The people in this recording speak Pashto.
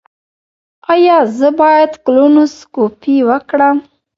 ایا زه باید کولونوسکوپي وکړم؟